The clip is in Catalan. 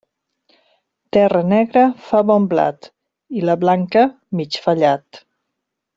Terra negra fa bon blat, i la blanca, mig fallat.